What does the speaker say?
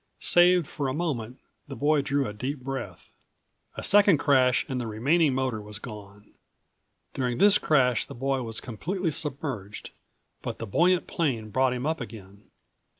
Saved for a moment, the boy drew a deep breath. A second crash and the remaining motor was gone. During this crash the boy was completely submerged, but the buoyant plane brought him up again.